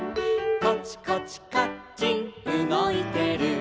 「コチコチカッチンうごいてる」